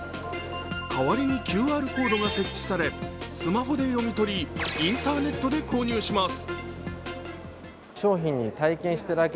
代わりにＱＲコードが設置されスマホで読み取り、インターネットで購入します。